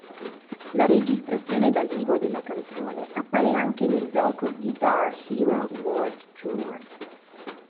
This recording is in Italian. La registrazione dal vivo della canzone appare anche nel gioco "Guitar Hero World Tour".